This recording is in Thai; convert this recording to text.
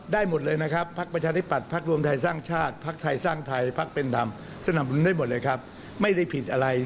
ได้หมดเลยนะครับพรรคประชาธิปัตธ์พรรครวมไทยสร้างชาติ